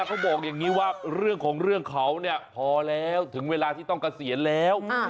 เขาบอกอย่างนี้ว่าเรื่องของเรื่องเขาเนี่ยพอแล้วถึงเวลาที่ต้องเกษียณแล้ว